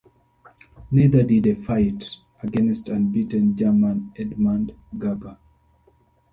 Neither did a fight against unbeaten German Edmund Gerber.